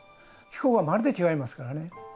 気候がまるで違いますからね。